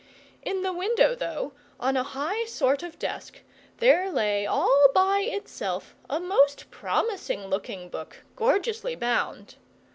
In the window, though, on a high sort of desk, there lay, all by itself, a most promising looking book, gorgeously bound.